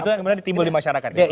itu yang kemudian ditimbulin masyarakat